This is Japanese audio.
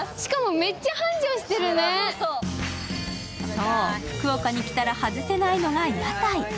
そう、福岡に来たなら外せないのが屋台。